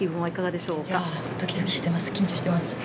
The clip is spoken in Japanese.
いやドキドキしてます緊張してます。